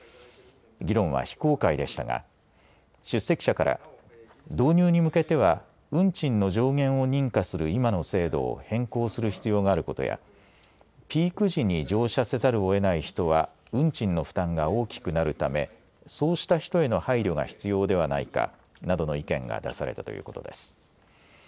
議論は非公開でしたが、出席者から、導入に向けては、運賃の上限を認可する今の制度を変更する必要があることや、ピーク時に乗車せざるをえない人は、運賃の負担が大きくなるため、そうした人への配慮が必要ではないかなどの意見が出されたということです。